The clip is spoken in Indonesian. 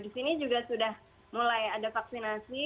di sini juga sudah mulai ada vaksinasi